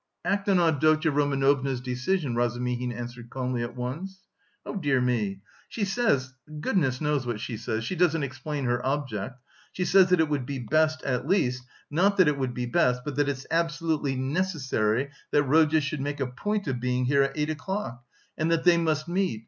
"Act on Avdotya Romanovna's decision," Razumihin answered calmly at once. "Oh, dear me! She says... goodness knows what she says, she doesn't explain her object! She says that it would be best, at least, not that it would be best, but that it's absolutely necessary that Rodya should make a point of being here at eight o'clock and that they must meet....